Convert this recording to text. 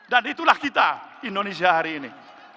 dan itulah kita indonesia hari ini